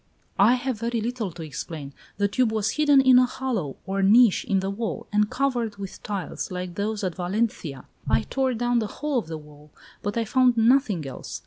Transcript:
"I have very little to explain. The tube was hidden in a hollow, or niche, in the wall, and covered with tiles, like those at Valencia. I tore down the whole of the wall, but I found nothing else.